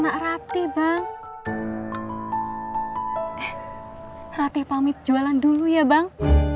eh hati hati pamit jualan dulu ya bang